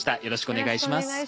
よろしくお願いします。